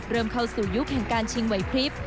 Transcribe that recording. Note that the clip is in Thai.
เริ่มเข้าสู่ยุคแห่งการชิงไวพริบ